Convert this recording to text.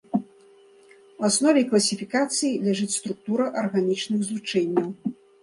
У аснове класіфікацыі ляжыць структура арганічных злучэнняў.